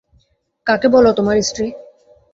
কাকে বল তোমার স্ত্রী?